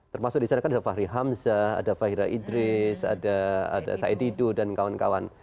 termasuk di sana kan ada fahri hamzah ada fahira idris ada said didu dan kawan kawan